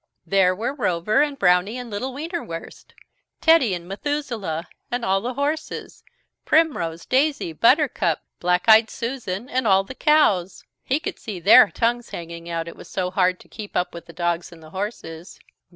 There were Rover and Brownie and little Wienerwurst, Teddy and Methusaleh and all the horses, Primrose, Daisy, Buttercup, Black Eyed Susan and all the cows. He could see their tongues hanging out it was so hard to keep up with the dogs and the horses.